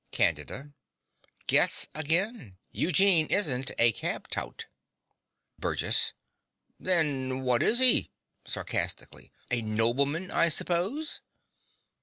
CANDIDA. Guess again. Eugene isn't a cab tout. BURGESS. Then wot is he? (Sarcastically.) A nobleman, I 'spose.